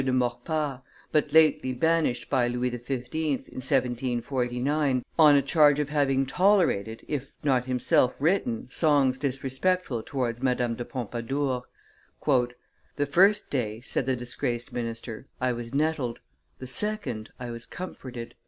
de Maurepas, but lately banished by Louis XV., in 1749, on a charge of having tolerated, if not himself written, songs disrespectful towards Madame de Pompadour. "The first day," said the disgraced minister, "I was nettled; the second, I was comforted."